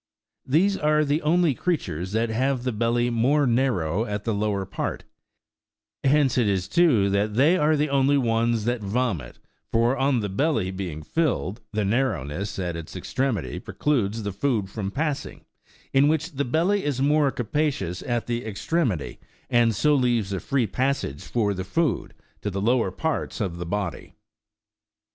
These are the only creatures that have the belly more narrow at the lower part ; hence it is, too, that they are the only ones that vomit, for on the belly being rilled, the narrowness at its extremity precludes the food from passing ; a thing that cannot possibly be the case with the animals in which the belly is more capacious at the ex tremity, and so leaves a free passage for the food to the lower parts of the body.